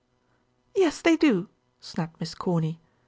"Yes, they do," snapped Miss Corny.